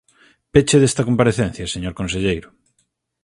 Peche desta comparecencia, señor conselleiro.